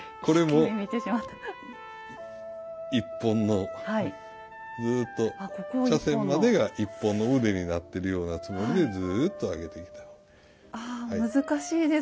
これも１本のずっと茶筅までが１本の腕になってるようなつもりでずっと上げていきたい。